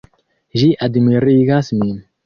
Ĝi admirigas min.